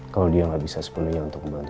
kalau dia gak bisa sepenuhnya untuk berhenti